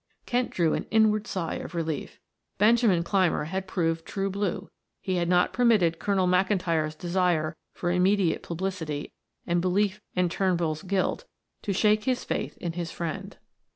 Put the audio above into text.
Kent drew an inward sigh of relief. Benjamin Clymer had proved true blue; he had not permitted Colonel McIntyre's desire for immediate publicity and belief in Turnbull's guilt to shake his faith in his friend.